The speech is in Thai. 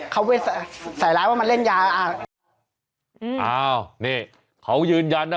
เขาไปใส่ร้ายว่ามันเล่นยาอ่ะอืมอ้าวนี่เขายืนยันนะ